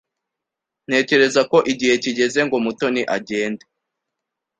Ntekereza ko igihe kigeze ngo Mutoni agende.